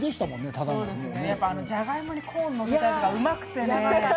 じゃがいもにコーンのせたやつがうまくてね。